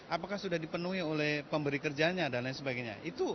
apakah sudah dipenuhi oleh pemberi kerjanya dan lain sebagainya